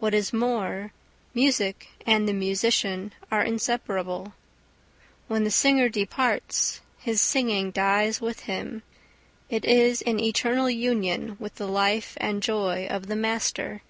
What is more, music and the musician are inseparable. When the singer departs, his singing dies with him; it is in eternal union with the life and joy of the master.